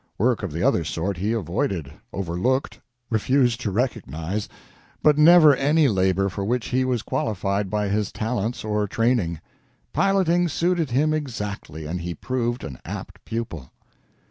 Work of the other sort he avoided, overlooked, refused to recognize, but never any labor for which he was qualified by his talents or training. Piloting suited him exactly, and he proved an apt pupil.